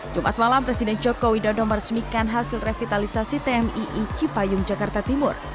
jumat malam presiden joko widodo meresmikan hasil revitalisasi tmii cipayung jakarta timur